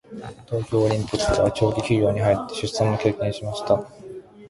東京オリンピックでは長期休養に入って出産も経験しました。